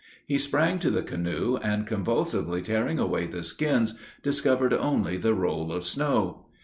He sprang to the canoe, and convulsively tearing away the skins, discovered only the roll of snow!